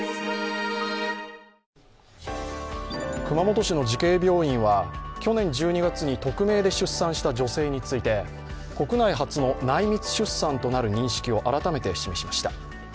熊本市の慈恵病院は去年１２月に匿名で出産した女性について国内初の内密出産となる認識を改めて示しました。